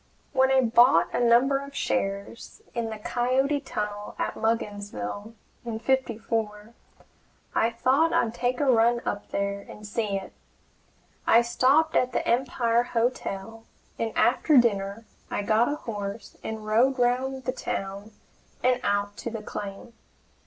When I bought a number of shares in the Coyote Tunnel at Mugginsville, in '54, I thought I'd take a run up there and see it. I stopped at the Empire Hotel, and after dinner I got a horse and rode round the town and out to the claim.